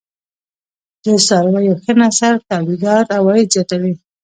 د څارويو ښه نسل تولیدات او عاید زیاتوي.